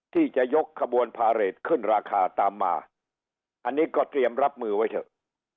ที่จะยกขบวนพาเรทขึ้นราคาตามมาอันนี้ก็เตรียมรับมือไว้เถอะ